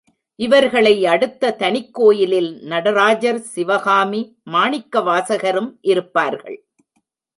இவர்களை அடுத்த தனிக்கோயிலில் நடராஜர், சிவகாமி, மாணிக்கவாசகரும் இருப்பார்கள்.